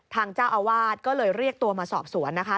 ทางเจ้าอาวาสก็เลยเรียกตัวมาสอบสวนนะคะ